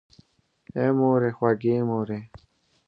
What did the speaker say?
آی مورې خوږې مورې!